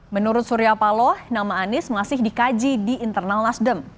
menurut surya paloh nama anies masih dikaji di internal nasdem